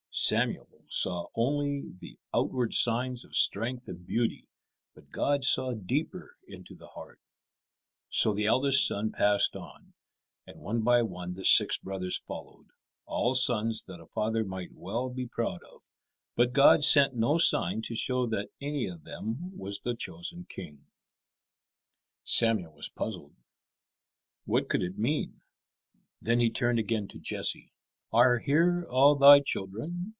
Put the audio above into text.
Samuel saw only the outward signs of strength and beauty, but God saw deeper into the heart. So the eldest son passed on, and one by one the six brothers followed, all sons that a father might well be proud of. But God sent no sign to show that any of them was the chosen king. [Illustration: "Surely this is he," murmured Samuel to himself.] Samuel was puzzled. What could it mean? Then he turned again to Jesse. "Are here all thy children?"